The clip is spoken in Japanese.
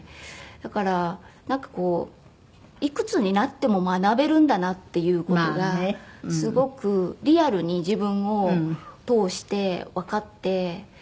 だからなんかこういくつになっても学べるんだなっていう事がすごくリアルに自分を通してわかって。